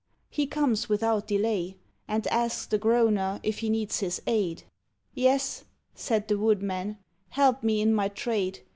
He comes without delay, And asks the groaner if he needs his aid. "Yes," said the Woodman, "help me in my trade.